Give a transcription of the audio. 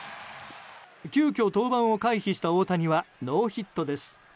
急きょ登板を回避した大谷はノーヒットです。